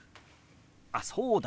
あっそうだ！